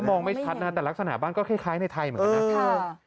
มองไม่ชัดนะแต่ลักษณะบ้านก็คล้ายในไทยเหมือนกันนะ